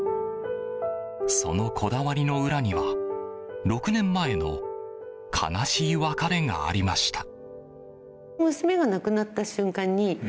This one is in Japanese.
そのこだわりの裏には６年前の悲しい別れがありました。